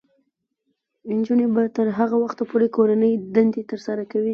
نجونې به تر هغه وخته پورې کورنۍ دندې ترسره کوي.